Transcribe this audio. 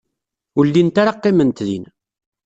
Ur llint ara qqiment din.